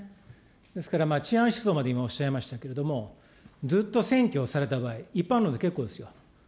ですから治安出動まで今おっしゃいましたけれども、ずっと占拠をされた場合、一般論で結構ですよ。